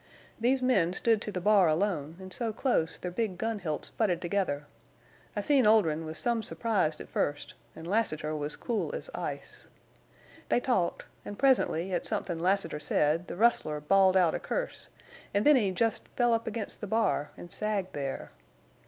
These men stood to the bar alone, an' so close their big gun hilts butted together. I seen Oldrin' was some surprised at first, an' Lassiter was cool as ice. They talked, an' presently at somethin' Lassiter said the rustler bawled out a curse, an' then he jest fell up against the bar, an' sagged there.